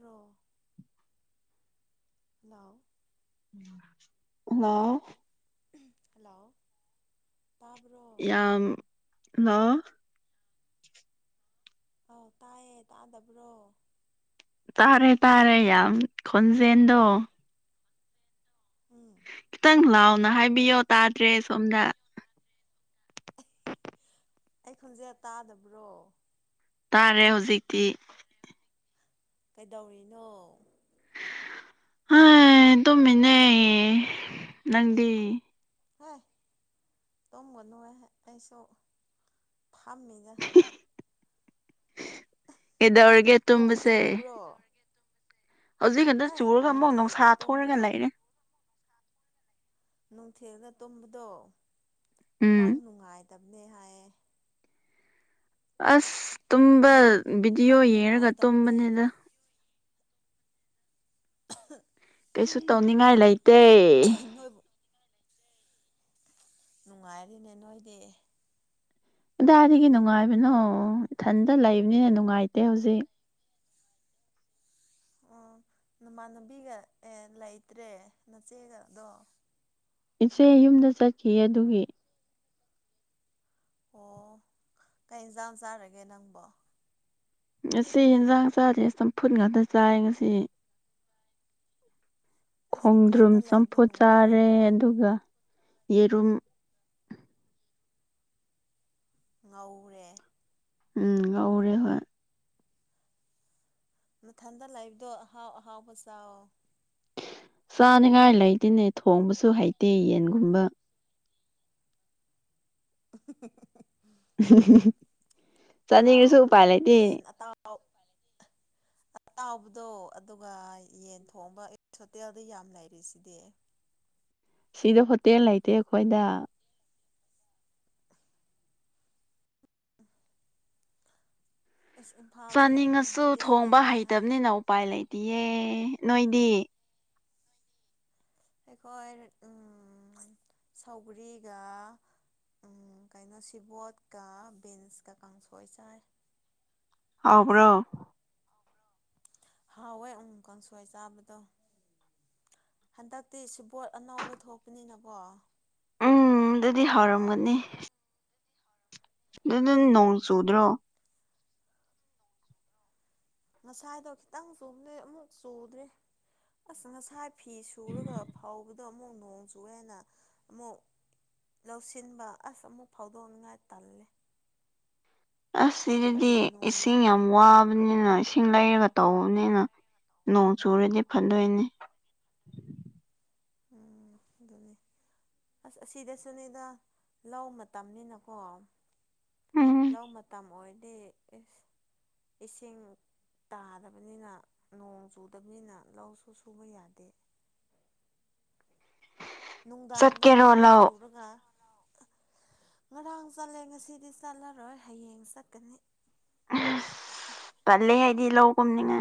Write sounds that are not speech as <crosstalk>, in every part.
ꯔꯣ ꯅꯅꯥꯎ ꯍꯂꯂꯣ ꯍꯜꯂꯣ ꯇꯥꯕ꯭ꯔꯣ ꯌꯥꯝ ꯍꯜꯂꯣ ꯑꯥꯎ ꯇꯥꯏꯌꯦ ꯇꯥꯗꯕ꯭ꯔꯣ ꯇꯥꯔꯦ ꯇꯥꯔꯦ ꯌꯥꯝ ꯈꯣꯟꯖꯦꯜꯗꯣ ꯎꯝ ꯈꯤꯇꯪ ꯂꯥꯎꯅ ꯍꯥꯏꯕꯤꯌꯣ ꯇꯥꯗ꯭ꯔꯦ ꯁꯣꯝꯗ ꯑꯩ ꯈꯣꯟꯖꯦꯜ ꯇꯥꯗꯕ꯭ꯔꯣ ꯇꯥꯔꯦ ꯍꯧꯖꯤꯛꯇꯤ ꯀꯩꯗꯧꯔꯤꯅꯣ ꯑ ꯇꯨꯃꯤꯅꯦ ꯅꯪꯗꯤ ꯑ ꯇꯨꯝꯒꯅꯨ ꯑꯩꯁꯨ ꯐꯝꯃꯤꯅꯦ ꯀꯩꯗꯧꯔꯒꯦ ꯅꯣꯡ ꯇꯨꯝꯕꯁꯦ ꯆꯨꯕ꯭ꯔꯣ ꯍꯧꯖꯤꯛꯀ ꯈꯛꯇ ꯑꯩ ꯆꯨꯔꯒ ꯑꯃꯨꯛ ꯅꯨꯡꯊꯤꯜꯗ ꯅꯨꯡꯁꯥ ꯊꯣꯛ ꯑꯒ ꯇꯨꯝꯕꯗꯣ ꯂꯩꯔꯦ ꯅꯨꯡꯊꯤꯜꯗ ꯇꯨꯝꯕꯗꯣ ꯃꯪ ꯎꯝ ꯅꯨꯡꯉꯥꯏꯇꯕꯅꯦ ꯍꯥꯏꯌꯦ ꯑꯁ ꯇꯨꯝꯕ ꯃꯪ ꯚꯤꯗꯤꯑꯣ ꯃꯪ ꯌꯦꯡꯔꯒ ꯅꯨꯡꯉꯥꯏꯇꯕꯅꯦ ꯇꯨꯝꯕꯅꯤꯗ <unintelligible> ꯀꯩꯁꯨ ꯇꯧꯅꯤꯡꯉꯥꯏ ꯂꯩꯇꯦ ꯅꯣꯏꯕꯨ ꯅꯨꯡꯉꯥꯏꯔꯤꯅꯦ ꯅꯣꯏꯗꯤ ꯀꯗꯥꯏꯗꯒꯤ ꯅꯨꯡꯉꯥꯏꯕꯅꯣ ꯏꯊꯟꯇ ꯂꯩꯕꯅꯤꯅ ꯅꯨꯡꯉꯥꯏꯇꯦ ꯍꯧꯖꯤꯛ ꯑꯣ ꯅꯃꯥꯟꯅꯕꯤꯒ ꯑꯦ ꯂꯩꯇ꯭ꯔꯦ ꯅꯆꯦꯒꯗꯣ ꯏꯆꯦ ꯌꯨꯝꯗ ꯆꯠꯈꯤ ꯑꯗꯨꯒꯤ ꯑꯣ ꯀꯩ ꯌꯦꯟꯖꯥꯡ ꯆꯥꯔꯒꯦ ꯅꯪꯕꯣ ꯉꯁꯤ ꯏꯟꯖꯥꯡ ꯆꯥꯥꯗꯦ ꯆꯝꯐꯨꯠ ꯉꯥꯛꯇ ꯆꯥꯏ ꯉꯁꯤ ꯑꯁ ꯈꯣꯡꯗ꯭ꯔꯨꯝ ꯅꯊꯟꯗ ꯂꯩꯕꯗꯣ ꯆꯝꯐꯨꯠ ꯆꯥꯔꯦ ꯅꯨꯡꯉꯥꯏꯔꯝꯃꯔꯣꯏ ꯑꯗꯨꯒ ꯌꯦꯔꯨꯝ ꯉꯧꯔꯦ ꯎꯝ ꯉꯧꯔꯦ ꯍꯣꯏ ꯃꯊꯟꯗ ꯂꯥꯛꯏꯕꯗꯣ ꯑꯍꯥꯎ ꯑꯍꯥꯎꯕ ꯆ ꯆꯥꯅꯤꯉꯥꯏ ꯂꯩꯇꯦꯅꯦ ꯊꯣꯡꯕꯁꯨ ꯍꯩꯇꯦ ꯌꯦꯟꯒꯨꯝꯕ <inaudible> ꯆꯅꯤꯒꯁꯨ ꯄꯥꯏ ꯂꯩꯇ <inaudible> ꯆꯥꯎꯕꯗꯣ ꯑꯗꯨꯒ ꯌꯦꯟ ꯊꯣꯡꯕ ꯑꯩ ꯍꯣꯇꯦꯜꯗ ꯌꯥꯝ ꯂꯩꯔꯤꯁꯤꯗꯤ ꯁꯤꯗ ꯍꯣꯇꯦꯜ ꯂꯩꯇꯦ ꯑꯩꯈꯣꯏꯗ ꯑꯁ ꯏꯝꯐꯥꯜꯗ ꯂꯩꯔꯒ ꯆꯥꯅꯤꯡꯉꯁꯨ ꯍꯣꯇꯦꯜ ꯊꯣꯡꯕ ꯂꯩꯇꯦ ꯍꯥꯏ ꯍꯩꯇꯕꯅꯤꯅ ꯎꯄꯥꯏ ꯂꯩꯇꯌꯦ ꯅꯣꯏꯗꯤ ꯑꯩꯈꯣꯏ ꯁꯧꯒꯔꯤꯒ ꯎꯝ ꯀꯩꯅꯣ ꯁꯤꯕꯣꯠꯀ ꯕꯤꯟꯁꯀ ꯀꯥꯡꯁꯣꯏ ꯆꯥꯏ ꯍꯥꯎꯕ꯭ꯔꯣ ꯍꯥꯎꯋꯦ ꯎꯃꯪ ꯀꯥꯡꯁꯣꯏ ꯆꯥꯕꯗꯣ ꯍꯟꯗꯛꯇꯤ ꯁꯤꯕꯣꯠ ꯑꯅꯥꯕ ꯊꯣꯛꯄꯅꯤꯅꯀꯣ ꯎꯝ ꯑꯗꯨꯗꯤ ꯑꯗꯨ ꯍꯥꯎꯋꯦ ꯍꯥꯎꯔꯝꯒꯅꯤ ꯑꯗꯨ ꯅ ꯎꯝ ꯅꯣꯡ ꯆꯨꯗ꯭ꯔꯣ ꯉꯁꯥꯏꯗꯣ ꯈꯤꯇꯪ ꯆꯨꯝꯗ꯭ꯔꯦ ꯑꯃꯨꯛ ꯆꯨꯗ꯭ꯔꯦ ꯑꯁ ꯉꯁꯥꯏ ꯐꯤ ꯁꯨꯔꯒ ꯐꯥꯎꯕꯗ ꯑꯃꯨꯛ ꯅꯣꯡ ꯆꯨꯑꯦꯅ ꯑꯃꯨꯛ ꯂꯧꯁꯤꯟꯕ ꯑꯁ ꯑꯃꯨꯛ ꯐꯥꯎꯗꯣꯛꯅꯤꯡꯉꯥꯏ ꯇꯜꯂꯦ ꯑꯁ ꯁꯤꯗꯗꯤ ꯀꯔꯤ ꯅꯣꯡꯅ ꯏꯁꯤꯡ ꯌꯥꯝ ꯋꯥꯕꯅꯤꯅ ꯏꯁꯤꯡ ꯂꯩꯔꯒ ꯇꯧꯕꯅꯤꯅ ꯅꯣꯡ ꯆꯨ ꯔꯤꯗꯤꯞ ꯐꯟꯗꯣꯏꯅꯤ ꯎꯝ ꯑꯗꯨꯅꯦ ꯑꯁ ꯑꯁꯤꯗꯁꯨꯅꯦꯗ ꯂ ꯃꯇꯝꯅꯤꯅꯀꯣ ꯎꯝ ꯂꯧ ꯃꯇꯝ ꯑꯣꯏꯔꯗꯤ ꯏꯁꯤꯡ ꯇꯥꯗꯕꯅꯤꯅ ꯅꯣꯡ ꯆꯨꯗꯕꯅꯤꯅ ꯂꯧꯁꯨ ꯁꯨꯕ ꯌꯥꯗꯦ ꯅꯨꯡꯗꯥꯡꯗ ꯆꯠꯀꯦꯔꯣ ꯍꯦꯛ ꯍꯦꯛ ꯂꯧ ꯆꯨꯔꯒ ꯉꯔꯥꯡ ꯆꯠꯂꯦ ꯉꯁꯤꯗꯤ ꯆꯠꯂꯔꯣꯏ ꯍꯌꯦꯡ ꯆꯠꯀꯅꯤ ꯗꯤ ꯂꯧꯒꯨꯝꯅꯤꯉ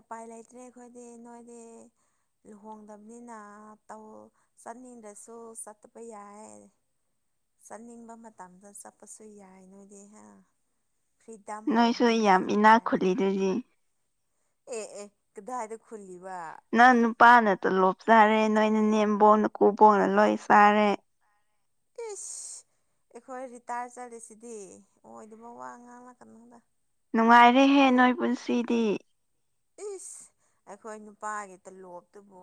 ꯎꯄꯥꯏ ꯂꯩꯇ꯭ꯔꯦ ꯑꯩꯈꯣꯏꯗꯤ ꯅꯣꯏꯗꯤ ꯂꯨꯍꯣꯡꯗꯕꯅꯤꯅ ꯆꯠꯅꯤꯡꯗ꯭ꯔꯁꯨ ꯆꯠꯇꯄ ꯌꯥꯏ ꯆꯠꯅꯤꯡꯕ ꯃꯇꯝꯗ ꯆꯠꯄꯁꯨ ꯌꯥꯏ ꯅꯣꯏꯗꯤ ꯍꯦ ꯅꯣꯏ ꯁꯣꯏ ꯌꯥꯝ ꯏꯅꯥꯛ ꯈꯨꯂꯤꯗꯨꯗꯤ ꯑꯦ ꯑꯦ ꯀꯗꯥꯥꯏꯗ ꯈꯨꯂ ꯅꯪ ꯅꯨꯄꯥꯅꯇ ꯂꯣꯞ ꯆꯥꯔꯦ ꯅꯣꯏꯅ ꯅꯦꯝꯕꯣꯡꯅ ꯀꯨꯕꯣꯡꯅ ꯂꯣꯏ ꯆꯥꯔꯦ ꯑꯦꯁ ꯑꯩꯈꯣꯏ ꯔꯤꯇꯥꯌꯔ ꯆꯠꯔꯤꯁꯤꯗꯤ ꯑꯣꯏꯗꯕ ꯋꯥ ꯑꯉꯥꯡꯅ ꯀꯩꯅꯣꯗ ꯅꯨꯡꯉꯥꯏꯔꯦꯍꯦ ꯅꯣꯏ ꯄꯨꯟꯁꯤꯗꯤ ꯏ ꯑꯩꯈꯣꯏ ꯅꯨꯄꯥꯒꯤ ꯇꯂꯣꯞꯇꯨꯕꯨ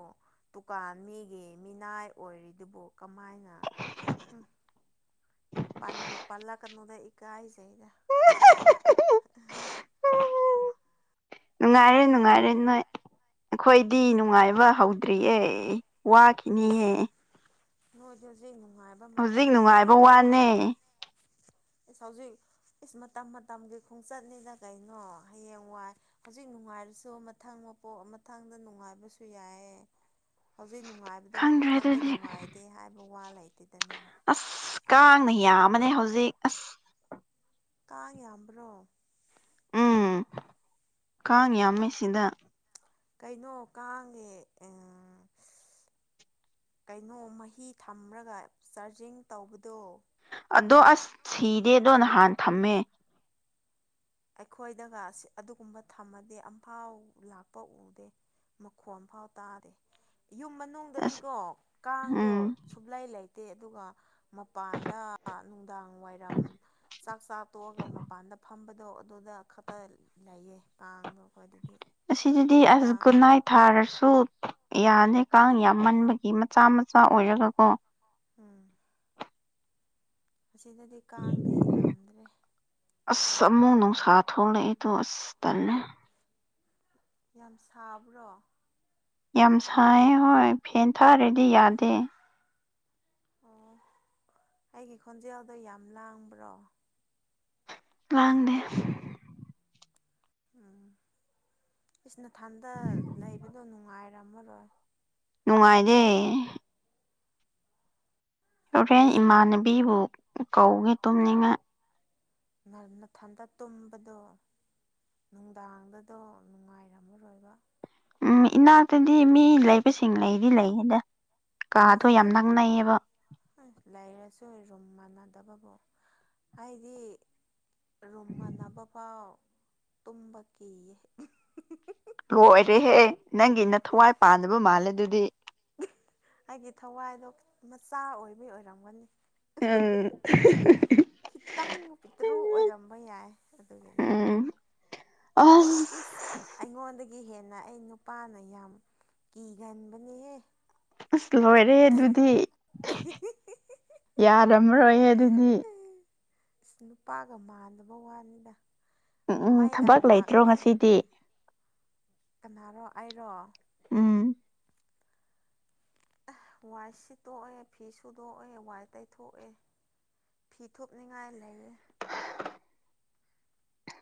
ꯗꯨꯀꯥꯟ ꯃꯤꯒꯤ ꯃꯤꯅꯥꯏ ꯑꯣꯏꯔꯤꯗꯨꯕꯨ ꯀꯃꯥꯏꯅ ꯄꯟꯕꯨ ꯄꯜꯂꯛꯀꯅꯣꯗ ꯏꯀꯥꯏꯁꯤ ꯗ ꯅꯨꯡꯉꯥꯏꯔꯦ ꯅꯨꯡꯉꯥꯏꯔꯦ ꯅꯣꯏ ꯑꯩꯈꯣꯏꯗꯤ ꯅꯨꯡꯉꯥꯏꯕ ꯍꯧꯗ꯭ꯔꯤꯑ ꯋꯥꯈꯤꯅꯤꯍꯦ ꯍꯣꯏꯗꯁ ꯍꯧꯖꯤꯛ ꯅꯨꯡꯉꯥꯏꯕ ꯋꯥꯅꯦ ꯏꯁ ꯍꯧꯖꯤꯛ ꯏꯁ ꯃꯇꯝ ꯃꯇꯝꯒꯤ ꯈꯣꯡꯆꯠꯅꯤꯅ ꯀꯩꯅꯣ ꯍꯌꯦꯡ ꯋꯥꯏ ꯍꯧꯖꯤꯛ ꯅꯨꯡꯉꯥꯏꯔꯁꯨ ꯃꯊꯪ ꯃꯄꯣꯛ ꯃꯊꯪꯗ ꯅꯨꯡꯉꯥꯏꯕꯁꯨ ꯌꯥꯏꯑ ꯍꯧꯖꯤꯛ ꯅꯨꯡꯉꯥꯏꯕꯗꯣ ꯈꯪꯗ꯭ꯔꯦ ꯃꯊꯪꯗ ꯑꯗꯨꯗꯤ ꯅꯨꯡꯉꯥꯏꯗꯦ ꯍꯥꯏꯕ ꯋꯥ ꯂꯩꯇꯦꯗꯅ ꯀꯥꯡꯅꯌꯥ ꯑꯃꯅꯦ ꯍꯧꯖꯤꯛ ꯑꯁ ꯀꯥꯡꯉ ꯌꯥꯝꯕ꯭ꯔꯣ ꯎꯝ ꯀꯉ ꯑꯃꯦꯁꯤꯗ ꯀꯩꯅꯣ ꯀꯥꯡꯉꯦ ꯑ ꯀꯩꯅꯣ ꯃꯍꯤ ꯊꯝꯂꯒ ꯆꯥꯔꯖꯤꯡ ꯇꯧꯕꯗꯣ ꯑꯗꯣ ꯑꯁ ꯁꯤꯗꯦꯗꯣ ꯅꯍꯥꯟ ꯊꯝꯃꯦ ꯑꯩꯈꯣꯏꯗꯒ ꯑꯗꯨꯒꯨꯝꯕ ꯊꯝꯃꯗꯤ ꯑꯝꯐꯥꯎ ꯂꯥꯛꯄ ꯎꯗꯦ ꯃꯈꯣ ꯑꯃꯝꯐꯥꯎ ꯇꯥꯔꯦ ꯌꯨꯝ ꯑꯁ ꯃꯅꯨꯡꯗꯗꯤꯀꯣ ꯀꯥꯡꯗꯣ ꯎꯝ ꯁꯨꯛꯂꯥꯏ ꯂꯩꯇꯦ ꯑꯗꯨꯒ ꯃꯄꯥꯟꯗ ꯅꯨꯡꯗꯥꯡ ꯋꯥꯏꯔꯝ ꯆꯥꯛ ꯆꯥꯛ ꯇꯣꯛꯑꯒ ꯃꯄꯥꯟꯗ ꯐꯝꯕꯗꯣ ꯑꯗꯨꯗ ꯈꯛꯇ ꯂꯩꯌꯦ ꯄꯥꯡꯕ ꯑꯩꯗꯤ ꯑꯁꯤꯗꯨꯗꯤ ꯑꯁ ꯒꯨꯟꯅꯥꯥꯏ ꯊꯥꯔꯁꯨ ꯌꯥꯅꯤ ꯀꯥꯡ ꯌꯥꯝꯃꯟꯕꯒꯤ ꯃꯆꯥ ꯃꯆꯥ ꯑꯣꯏꯔꯒꯀꯣ ꯎꯝ ꯑꯁꯤꯗꯗꯤ ꯀꯥꯡꯗꯤ ꯌꯥꯝꯗ꯭ꯔꯦ ꯆꯃꯨ ꯅꯨꯡꯁꯥ ꯊꯣꯛꯂꯛꯏꯗꯣ ꯑꯁ ꯇꯟꯅ ꯌꯥꯝ ꯁꯥꯕ꯭ꯔꯣ ꯌꯥꯝ ꯁꯥꯏꯌꯦ ꯍꯣꯏ ꯐꯦꯟ ꯊꯥꯔꯗꯤ ꯌꯥꯗꯦ ꯑꯣ ꯑꯩꯒꯤ ꯈꯣꯟꯖꯦꯜꯗꯣ ꯌꯥꯝ ꯂꯥꯡꯕ꯭ꯔꯣ ꯂꯥꯡꯅꯦ ꯎꯝ ꯏꯁꯅꯊꯟꯗ ꯂꯩꯕꯗꯣ ꯅꯨꯡꯉꯥꯏꯔꯝꯃꯔꯣꯏ ꯅꯨꯡꯉꯥꯏꯗꯦ ꯍꯣꯔꯦꯟ ꯏꯁ ꯏꯃꯥꯟꯅꯕꯤꯕꯨ ꯀꯧꯒꯦ ꯇꯨꯝꯅꯤꯉꯥꯏ ꯃꯊꯟꯇ ꯇꯨꯝꯕꯗꯣ ꯅꯨꯡꯗꯥꯡꯗꯗꯣ ꯅꯨꯡꯉꯥꯏꯔꯝꯃꯔꯣꯏꯕ ꯎꯝ ꯏꯅꯥꯛꯇꯗꯤ ꯃꯤ ꯂꯩꯕꯁꯤꯡ ꯂꯩꯗꯤ ꯂꯩꯌꯦꯗ ꯀꯥꯗꯣ ꯑꯩꯁ ꯌꯥꯝ ꯂꯩꯔꯦ ꯅꯪꯅꯩꯌꯦꯕ ꯑꯁ <unintelligible> ꯔꯨꯝ ꯃꯥꯟꯅꯗꯕꯕꯨ ꯑꯩꯗꯤ ꯔꯨꯝꯃꯟꯅꯅꯕꯐꯥꯎ ꯇꯨꯝꯕ ꯀꯤꯌꯦ ꯂꯣꯏꯔꯦꯍꯦ ꯅꯪꯒꯤꯅ ꯊꯋꯥꯏ ꯄꯥꯟꯕꯅꯕ ꯃꯥꯜꯂꯦ ꯑꯗꯨꯗꯤ ꯑꯩꯒꯤ ꯊꯋꯥꯏꯗꯣ ꯃꯆꯥ ꯑꯣꯏꯕꯩ ꯑꯣꯏꯔꯝꯒꯅꯤ ꯎꯝ ꯈꯤꯇꯪ ꯄꯤꯇꯔꯨ ꯑꯣꯏꯔꯝꯕ ꯌꯥꯏ ꯑꯗꯨꯒꯤꯅꯤ ꯑꯁ ꯏꯁ ꯍꯗ ꯒꯤ ꯍꯦꯟꯅ ꯑꯩ ꯅꯨꯄꯥꯅ ꯌꯥꯝ ꯀꯤꯒꯟꯕꯅꯦꯍꯦ ꯑꯁ ꯂꯣꯏꯔꯦ ꯑꯗꯨꯗꯤ ꯌꯥꯔꯝꯔꯣꯏ ꯑꯗꯨꯗꯤ ꯑꯁ ꯅꯨꯄꯥꯒ ꯃꯥꯟꯅꯕ ꯋꯥꯅꯤꯗ ꯎꯝ ꯎꯝ ꯃꯩꯒ ꯊꯕꯛ ꯂꯥꯛ ꯂꯩꯇ꯭ꯔꯣ ꯃꯩ ꯉꯁꯤꯗꯤ ꯀꯅꯥꯔꯣ ꯑꯩꯔꯣ ꯎꯝ ꯋꯥꯏ ꯁꯤꯠꯇꯣꯛꯑꯦ ꯐꯤ ꯁꯨꯗꯣꯛꯑꯦ ꯋꯥꯏ ꯇꯩꯊꯣꯛꯑꯦ ꯐꯤ ꯊꯣꯛꯅꯤꯡꯉꯥꯏ ꯂꯩꯌꯦ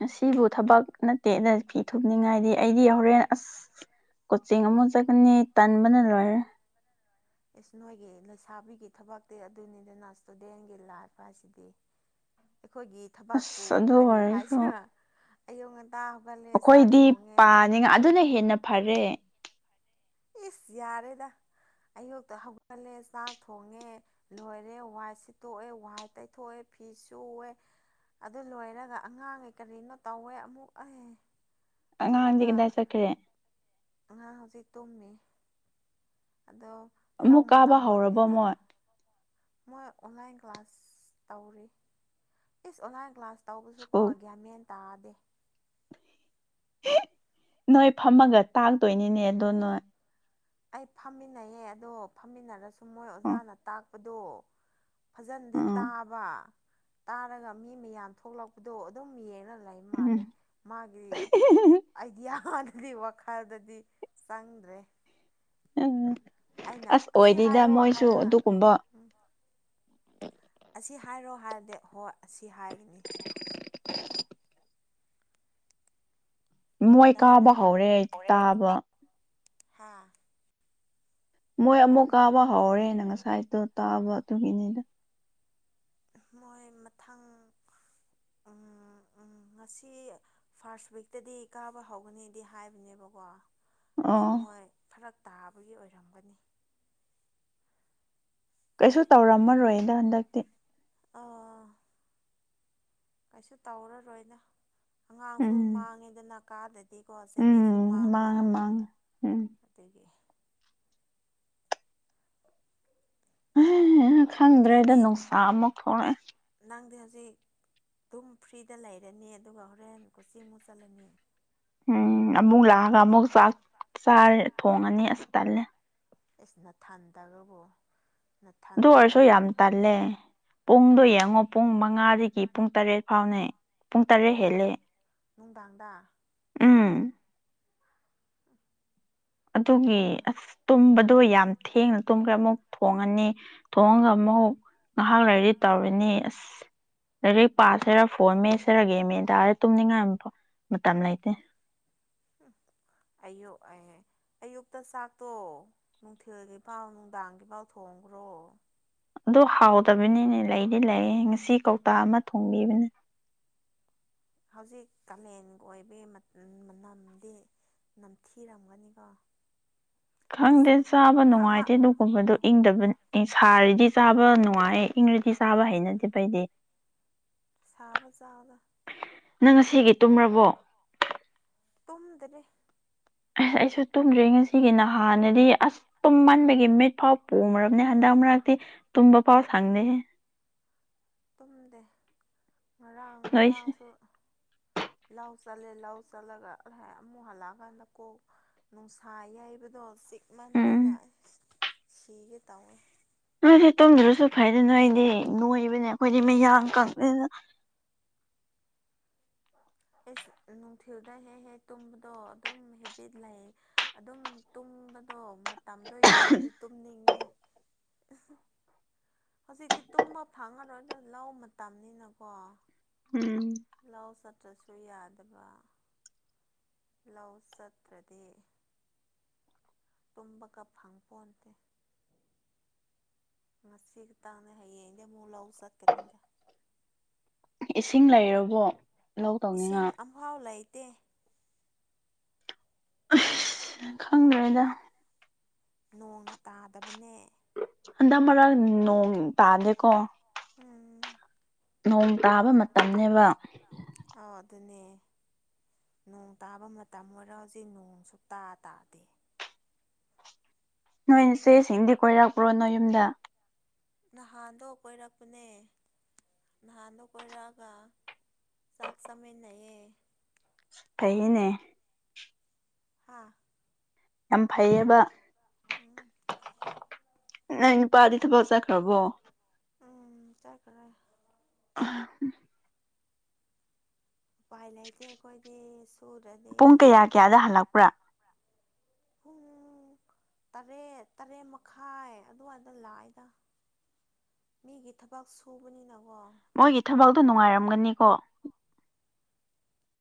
ꯑꯁꯤꯕꯨ ꯊꯕꯛ ꯅꯠꯇꯦꯗ ꯐꯤ ꯊꯨꯞꯅꯤꯡꯉꯥꯏꯗꯤ ꯑꯩꯗꯤ ꯍꯣꯔꯦꯟ ꯑꯁ ꯀꯣꯆꯤꯡ ꯑꯃꯨꯛ ꯆꯠꯀꯅꯤ ꯇꯟꯕꯅ ꯂꯣꯏꯔꯦ ꯏꯁ ꯅꯣꯏꯒꯤ ꯂꯩꯁꯥꯕꯤꯒꯤ ꯊꯕꯛꯇꯤ ꯑꯗꯨꯅꯤꯗꯅ ꯏꯁꯇꯨꯗꯦꯟꯒꯤ ꯂꯥꯏꯐ ꯍꯥꯏꯁꯤꯗꯤ ꯑꯩꯈꯣꯏꯒꯤ ꯊꯕꯛꯄꯨ ꯑꯁ ꯑꯗꯨ ꯀꯔꯤ ꯑꯣꯏꯔꯁꯨ ꯍꯥꯏꯁꯤꯔ ꯑꯩꯈꯣꯏꯗꯤ ꯄꯥꯅꯤꯉ ꯑꯗꯨꯅ ꯍꯦꯟꯅ ꯐꯔꯦ ꯏꯁ ꯌꯔꯦꯗ ꯑꯌꯨꯛꯇ ꯍꯧꯒꯠꯂꯦ ꯆꯥꯛ ꯊꯣꯡꯉꯦ ꯂꯣꯏꯔꯦ ꯋꯥꯏꯠ ꯁꯤꯠꯇꯣꯛꯑꯦ ꯋꯥꯏꯠ ꯇꯩꯊꯣꯛꯑꯦ ꯐꯤ ꯁꯨꯑꯦ ꯑꯗꯨ ꯂꯣꯏꯔꯒ ꯑꯉꯥꯡꯉꯩ ꯀꯔꯤꯅꯣ ꯇꯧꯋꯦ ꯑꯃꯨꯛ ꯑꯦ ꯑꯉꯥꯡꯗꯤ ꯀꯝꯗꯥꯏ ꯆꯠꯈ꯭ꯔꯦ ꯑꯉꯥꯡ ꯍꯧꯖꯤꯛ ꯇꯨꯝꯃꯤ ꯑꯗꯣ ꯂꯧ ꯑꯃꯨꯛ ꯀꯥꯕ ꯃꯇꯝ ꯍꯧꯔꯕ ꯑꯣꯏꯕꯅꯤꯅ ꯃꯣꯏ ꯃꯣꯏ ꯑꯣꯟꯂꯥꯏꯟ ꯀ꯭ꯂꯥꯁ ꯇꯧꯔꯤ ꯏꯁ ꯑꯣꯟꯂꯥꯏꯟ ꯀ꯭ꯂꯥꯁ ꯇꯧꯕꯁꯨꯀꯣ ꯁ꯭ꯀꯨꯜ ꯒꯌ꯭ꯥꯟ ꯃꯦꯟ ꯇꯥꯗꯦ ꯅꯣꯏ ꯐꯝꯃꯒ ꯇꯥꯛꯇꯣꯏꯅꯤꯅꯦ ꯑ ꯑꯗꯨꯗꯣ ꯅꯣꯏ ꯑꯩ ꯐꯝꯃꯤꯟꯅꯩꯍꯦ ꯑꯗꯣ ꯐꯝꯃꯤꯟꯅꯔꯁꯨ ꯃꯣꯏ ꯎꯝ ꯑꯣꯖꯥꯅ ꯇꯥꯛꯄꯗꯣ ꯐꯖꯟꯗꯤ ꯎꯝ ꯇꯥꯕ ꯇꯥꯔꯒ ꯃꯤ ꯃꯌꯥꯝ ꯊꯣꯛꯂꯛꯄꯗꯣ ꯑꯗꯨꯝ ꯌꯦꯡꯉ ꯃꯥ ꯎꯝ ꯃꯥꯒꯤ ꯑꯥꯏꯗꯤꯌꯥ ꯋꯥꯈꯜꯗꯗꯤ ꯆꯪꯗ꯭ꯔꯦ ꯎꯝ ꯑꯩꯅ ꯑꯁ ꯑꯁꯤ ꯑꯣꯏꯗꯦꯗ ꯍꯥꯏꯔꯣ ꯃꯣꯏꯁꯨ ꯍꯥꯏꯔꯒ ꯑꯗꯨꯒꯨꯝꯕ ꯎꯝ ꯑꯁꯤ ꯍꯥꯏꯔꯣ ꯍꯥꯏꯔꯗꯤ ꯍꯣꯏ ꯑꯁꯤ ꯍꯥꯏ <inaudible> ꯃꯣꯏ ꯀꯥꯕ ꯀꯗꯥꯏꯗꯒꯤ ꯍꯧꯔꯦ ꯑꯩ ꯇꯥꯕ ꯍꯥ ꯃꯣꯏ ꯑꯃꯨꯛ ꯀꯥꯕ ꯍꯧꯔꯦꯅ ꯉꯁꯥꯏꯗꯣ ꯇꯥꯕ ꯑꯗꯨꯒꯤꯅꯤꯗ ꯃꯣꯏ ꯃꯊꯪ ꯎꯝ ꯎꯝ ꯉꯁꯤ ꯐꯥꯔꯁ ꯋꯤꯛꯇꯗꯤ ꯀꯥꯕ ꯍꯧꯒꯅꯤꯗꯤ ꯍꯥꯏꯕꯅꯦꯕꯀꯣ ꯑꯣ ꯃꯣꯏ ꯐꯔꯛ ꯇꯥꯕꯒꯤ ꯑꯣꯏꯔꯝꯒꯅꯤ ꯀꯩꯁꯨ ꯇꯧꯔꯝꯃꯔꯣꯏꯗ ꯍꯟꯗꯛꯇꯤ ꯑꯥ ꯀꯩꯁꯨ ꯇꯧꯔꯔꯣꯏꯅ ꯑꯉꯥꯡꯁꯨ ꯎꯝ ꯃꯥꯡꯉꯦꯗꯅ ꯀꯥꯗꯗꯤ ꯑꯗꯤꯀꯣ ꯆꯍꯤ ꯁꯨꯝ ꯎꯝ ꯃꯥꯡꯕ ꯃꯥꯡꯉꯦ ꯃꯥꯡꯉꯦ ꯎꯝ ꯑꯗꯒꯤ ꯈꯪꯗ꯭ꯔꯦꯗ ꯅꯪꯗꯤ ꯅꯨꯡꯁꯥ ꯑꯃ ꯊꯣꯛꯂꯛꯑꯦ ꯅꯪꯗꯤ ꯍꯧꯖꯤꯛ ꯑꯗꯨꯝ ꯐ꯭ꯔꯤꯗ ꯂꯩꯔꯅꯤ ꯑꯗꯨꯒ ꯍꯣꯔꯦꯟ ꯀꯣꯆꯤꯡꯃꯨꯛ ꯆꯠꯂꯅꯤ ꯎꯝ ꯑꯃꯨꯛ ꯂꯥꯛꯑꯒ ꯑꯃꯨꯛꯥꯛ ꯆꯥꯔꯦ ꯊꯣꯡꯉꯅꯤ ꯑꯁ ꯇꯜꯂꯦ ꯑꯁꯤꯅ ꯊꯟ ꯇꯕꯕꯨ ꯑꯗꯨ ꯑꯣꯏꯔꯁꯨ ꯌꯥꯝ ꯇꯜꯂꯦ ꯄꯨꯡꯗꯣ ꯌꯦꯡꯉꯣ ꯄꯨꯡ ꯃꯉꯥꯗꯒꯤ ꯄꯨꯡ ꯇꯔꯦꯠ ꯐꯥꯎꯅꯩ ꯄꯨꯡ ꯇꯔꯦꯠ ꯅꯨꯡꯗ ꯍꯦꯜꯂꯦ ꯅꯨꯡꯗꯥꯡꯗ ꯎꯝ ꯑꯗꯨꯒꯤ ꯑꯗꯨ ꯑꯁ ꯇꯨꯝꯕ ꯑꯗꯨ ꯌꯥꯝ ꯊꯦꯡꯅ ꯇꯨꯝꯈ꯭ꯔꯦ ꯑꯃꯨꯛ ꯊꯣꯡꯉꯅꯤ ꯊꯣꯡꯉꯒ ꯑꯃꯨꯛ ꯉꯥꯏꯍꯥꯛ ꯂꯩꯔꯗꯤ ꯇꯧꯔꯤꯅꯤ ꯑꯁ ꯂꯥꯏꯏꯔꯦꯛ ꯄꯥꯁꯤꯔ ꯐꯣꯔ ꯃꯦꯁꯔꯒꯦꯃꯦꯗꯥꯔ ꯇꯨꯝꯅꯤꯡꯉꯥꯏ꯭ꯔꯣ ꯃꯝꯅꯥꯏꯇ ꯎꯝ ꯑꯌꯨꯛ ꯑꯦ ꯑꯌꯨꯛꯇ ꯆꯥꯛꯇꯣ ꯅꯨꯡꯊꯤꯜꯒꯤꯐꯥꯎ ꯅꯨꯡꯗꯥꯡꯒꯤꯐꯥꯎ ꯊꯣꯡꯉ ꯀꯣꯡ꯭ꯔꯣ ꯑꯗꯨ ꯍꯥꯎꯗꯕꯅꯤꯅꯦ ꯂꯩꯗꯤ ꯂꯩꯔꯦ ꯉꯁꯤ ꯀꯧꯇꯥ ꯑꯃ ꯊꯣꯡꯕꯤꯕꯅꯦ ꯍꯧꯖꯤꯛ ꯀꯥꯂꯦꯟꯒꯤ ꯑꯣꯏꯕꯒꯤ ꯃꯅꯝꯗꯤ ꯅꯝꯊꯤꯔꯝꯒꯅꯤꯀꯣ ꯈꯪꯗꯦ ꯏꯁ ꯆꯥꯕ ꯑꯃ ꯅꯨꯡꯉꯥꯏꯇꯦ ꯑꯗꯨꯒꯨꯝꯕꯗꯣ ꯏꯪꯗꯕꯅꯤ ꯁꯥꯔꯗꯤ ꯆꯥꯕ ꯅꯨꯡꯉꯥꯏꯦ ꯏꯪꯔꯗꯤ ꯆꯥꯕ ꯍꯩꯅꯗꯦ ꯎꯝ ꯐꯩꯗꯤ ꯁꯥꯕ ꯆꯥꯒ ꯅꯪ ꯉꯁꯤꯒꯤ ꯇꯨꯝꯔꯕꯣ ꯇꯨꯝꯗ꯭ꯔꯦ ꯑꯁ ꯑꯩꯁꯨ ꯇꯨꯝꯗ꯭ꯔꯤ ꯉꯁꯤꯒꯤ ꯅꯍꯥꯟꯅꯗꯤ ꯑꯁ ꯇꯨꯝꯃꯟꯕꯒꯤ ꯃꯤꯠ ꯐꯥꯎ ꯄꯣꯃꯔꯕꯅꯦ ꯍꯟꯗꯛ ꯗꯤ ꯇꯨꯡꯕꯥ ꯄꯥꯎꯔ ꯁꯥꯡꯗ ꯇꯨꯝꯗꯦ ꯉꯔꯥꯡ ꯅꯣꯏꯁꯦ ꯉꯔꯥꯡꯁꯨ ꯂꯧ ꯆꯜꯂꯦ ꯂꯧ ꯆꯠꯂꯒ ꯑꯃꯨꯛ ꯍꯜꯂꯛꯑꯀꯥꯟꯗ ꯀꯣꯛ ꯅꯨꯡꯁꯥ ꯌꯩꯕꯗꯣ ꯎꯝ ꯆꯤꯛꯃꯟꯗꯅ ꯁꯤꯒꯦ ꯇꯧꯋꯦ ꯑꯗꯨꯗꯤ ꯇꯨꯝꯗ꯭ꯔꯁꯨ ꯐꯩꯗꯅ ꯑꯩꯗꯤ ꯅꯣꯏꯕꯅꯦ ꯑꯩꯈꯣꯏꯗꯤ ꯃꯌꯥꯡ ꯀꯪꯕꯅꯤꯅ <unintelligible> ꯑꯦꯁ ꯅꯨꯡꯊꯤꯜꯗ ꯍꯦꯛ ꯍꯦꯛ ꯇꯨꯝꯕꯗꯣ ꯑꯗꯨꯝ ꯍꯦꯕꯤꯠ ꯂꯩ ꯑꯗꯨꯝ ꯇꯨꯝ ꯕꯗꯣ ꯃꯇꯝꯗꯣ ꯌꯧꯔꯗꯤ ꯇꯨꯝꯅꯤꯡꯉꯦ ꯍꯧꯖꯤꯛꯇꯤ ꯇꯨꯝꯕ ꯐꯥꯡꯉꯔꯣꯏꯗ ꯂꯧ ꯃꯇꯝꯅꯤꯅꯀꯣ ꯎꯝ ꯇ꯭ꯔꯁꯨ ꯌꯥꯗꯕ ꯂꯧ ꯆꯠꯇ꯭ꯔꯗꯤ ꯇꯨꯝꯕꯒ ꯐꯪ ꯄꯣꯟꯇꯦ ꯉꯁꯤ ꯈꯤꯇꯪꯅꯦ ꯍꯌꯦꯡꯗꯤ ꯑꯃꯨꯛ ꯂꯧ ꯆꯠꯀꯅꯤꯗ ꯏꯁꯤꯡ ꯂꯩꯔꯕꯣ ꯂꯧ ꯏꯁꯤꯡ ꯇꯧꯅꯤꯡꯉꯥꯏ ꯑꯝꯐꯥꯎ ꯂꯩꯇꯦ ꯑꯩꯁ ꯈꯪꯗ꯭ꯔꯦꯗ ꯅꯣꯡꯅ ꯇꯥꯗꯕꯅꯦ ꯍꯟꯗꯛ ꯃꯔꯛ ꯅꯣꯡ ꯇꯥꯗꯦꯀꯣ ꯎꯝ ꯅꯣꯡ ꯇꯥꯕ ꯃꯇꯝꯅꯦꯕ ꯑꯥꯎ ꯑꯗꯨꯅꯦ ꯅꯣꯡ ꯇꯥꯕ ꯃꯇꯝ ꯑꯣꯏꯔ ꯍꯧꯖꯤꯛ ꯅꯣꯡꯁꯨ ꯇꯥ ꯇꯥꯗꯦ ꯅꯣꯏ ꯏꯆꯦ ꯁꯤꯡꯗꯤ ꯀꯣꯏꯔꯛꯄ꯭ꯔꯣ ꯅꯣꯏ ꯌꯨꯝꯗ ꯅꯍꯥꯟꯗꯣ ꯀꯣꯏꯔꯛꯄꯅꯦ ꯅꯍꯥꯟꯗꯣ ꯀꯣꯏꯔꯛꯑꯒ ꯆꯥꯛ ꯆꯥꯃꯤꯟꯅꯩꯌꯦ ꯐꯩꯅꯦ ꯍꯥꯥ ꯌꯥꯝ ꯐꯩꯌꯦꯕ ꯎꯝ ꯅꯪ ꯅꯨꯄꯥꯗꯤ ꯊꯕꯛ ꯆꯠꯈ꯭ꯔꯕꯣ ꯎꯝ ꯆꯠꯈ꯭ꯔꯦ ꯎꯝ ꯎꯄꯥꯏ ꯂꯩꯇꯦ ꯑꯩꯈꯣꯏꯗꯤ ꯄꯨꯡ ꯁꯨꯗ꯭ꯔꯗꯤ ꯀꯌꯥ ꯀꯌꯥꯗ ꯍꯜꯂꯛꯄ꯭ꯔꯥ ꯄꯨꯡ ꯄꯨꯡ ꯇꯔꯦꯠ ꯇꯔꯦꯠ ꯃꯈꯥꯏ ꯑꯗꯨꯋꯥꯏꯗ ꯂꯥꯛꯏꯗ ꯃꯤꯒꯤ ꯊꯕꯛ ꯁꯨꯕꯅꯤꯅꯀꯣ ꯃꯣꯏꯒꯤ ꯊꯕꯛꯇꯣ ꯅꯨꯡꯉꯥꯏꯔꯝꯒꯅꯤꯀꯣ